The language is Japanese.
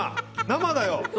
生だよ！